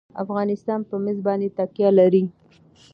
افغانستان په مس باندې تکیه لري.